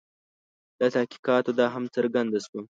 له تحقیقاتو دا هم څرګنده شوه.